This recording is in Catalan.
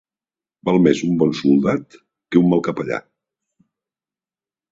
Val més un bon soldat que un mal capellà.